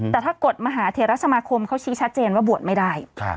แต่ถ้ากฎมหาเทรสมาคมเขาชี้ชัดเจนว่าบวชไม่ได้